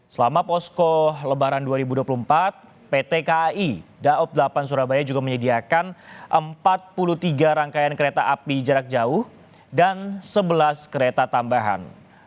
selama posko lebaran dua ribu dua puluh empat pt kai daob delapan surabaya juga menyediakan empat puluh tiga rangkaian kereta api jarak jauh dan sebelas kereta tambahan